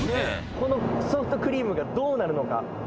このソフトクリームがどうなるのか。